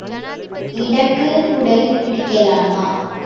இடக்குக் குடை பிடிக்கலாமா?